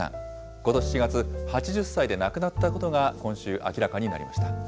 ことし４月、８０歳で亡くなったことが今週明らかになりました。